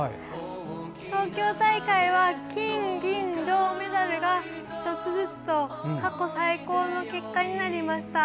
東京大会は金銀銅メダルが１つずつと過去最高の結果になりました。